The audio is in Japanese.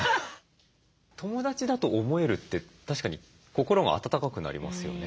友だちだと思えるって確かに心が温かくなりますよね。